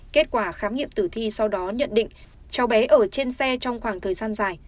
kết quả khám nghiệm tử thi sau đó nhận định cháu bé ở trên xe trong khoảng thời gian dài